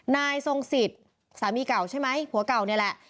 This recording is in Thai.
นายทรงสิทธิ์สามีเก่าใช่ไหมผัวเก่านี่แหละ